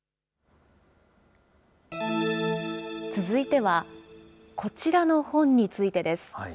続いては、こちらの本についてです。